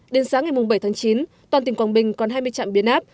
đến sáng ngày bảy tháng chín toàn tỉnh quảng bình còn hai mươi trạm biến áp